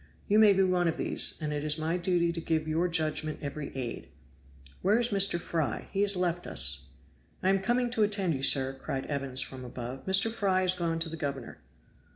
You may be one of these; and it is my duty to give your judgment every aid. Where is Mr. Fry? He has left us." "I am coming to attend you, sir," cried Evans from above. "Mr. Fry is gone to the governor."